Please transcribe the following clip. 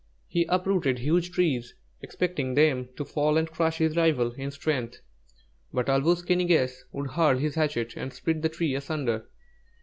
He uprooted huge trees, expecting them to fall and crush his rival in strength; but Āl wūs ki ni gess would hurl his hatchet and split the tree asunder.